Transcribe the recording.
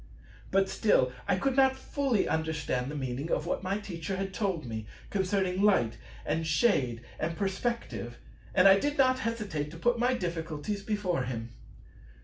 But still I could not fully understand the meaning of what my Teacher had told me concerning "light" and "shade" and "perspective"; and I did not hesitate to put my difficulties before him.